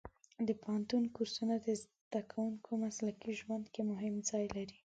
د پوهنتون کورسونه د زده کوونکو مسلکي ژوند کې مهم ځای لري.